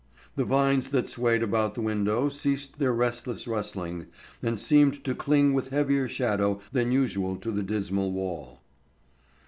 The vines that swayed about the window ceased their restless rustling and seemed to cling with heavier shadow than usual to the dismal wall.